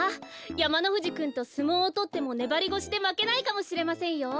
やまのふじくんとすもうをとってもねばりごしでまけないかもしれませんよ。